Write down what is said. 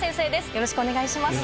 よろしくお願いします。